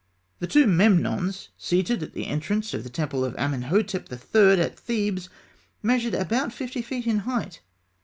The two Memnons seated at the entrance of the temple of Amenhotep III., at Thebes, measured about fifty feet in height.